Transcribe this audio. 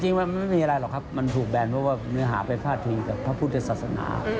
ว่ามันไม่มีอะไรหรอกครับมันถูกแบนเพราะว่าเนื้อหาไปพาดพิงกับพระพุทธศาสนา